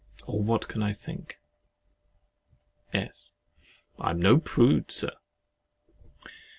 Or what can I think? S. I am no prude, Sir.